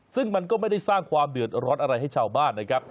ซึ่งมันก็ไม่ได้สร้างความเดือดร้อนอะไรให้ชาวบ้านนะครับ